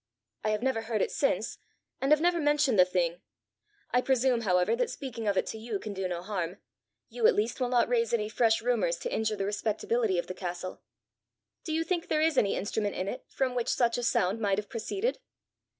I have never heard it since, and have never mentioned the thing. I presume, however, that speaking of it to you can do no harm. You at least will not raise any fresh rumours to injure the respectability of the castle! Do you think there is any instrument in it from which such a sound might have proceeded?